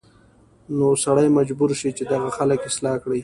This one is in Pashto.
نو سړی مجبور شي چې دغه خلک اصلاح کړي